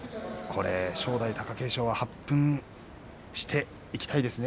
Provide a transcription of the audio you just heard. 正代、貴景勝は発奮していきたいですね